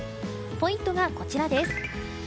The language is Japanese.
ポイントがこちらです。